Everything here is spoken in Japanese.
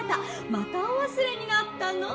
またおわすれになったの？